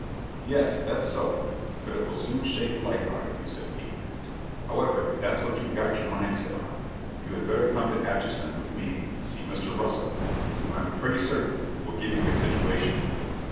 "Yes, that's so; but it will soon shake the life out of you," said he. "However, if that's what you've got your mind set on, you had better come to Atchison with me and see Mr. Russell, who I'm pretty certain, will give you a situation."